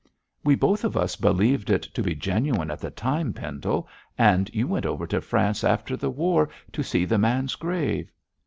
'We both of us believed it to be genuine at the time, Pendle, and you went over to France after the war to see the man's grave.'